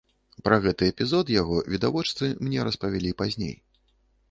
Пра гэты эпізод яго відавочцы мне распавялі пазней.